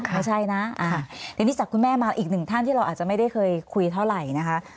ไม่ใช่นะทีนี้จากคุณแม่มาอีกหนึ่งท่านที่เราอาจจะไม่ได้เคยคุยเท่าไหร่นะคะ